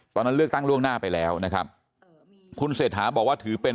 ตอนนั้นเลือกตั้งล่วงหน้าไปแล้วนะครับคุณเศรษฐาบอกว่าถือเป็น